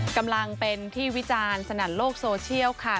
กำลังเป็นที่วิจารณ์สนั่นโลกโซเชียลค่ะ